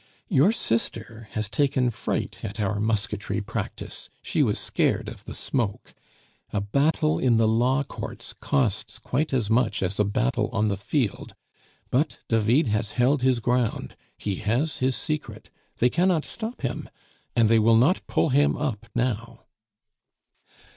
Your sister has taken fright at our musketry practice; she was scared of the smoke. A battle in the law courts costs quite as much as a battle on the field; but David has held his ground, he has his secret. They cannot stop him, and they will not pull him up now."